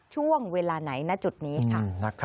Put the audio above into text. ช่วงเวลาไหนณจุดนี้ค่ะ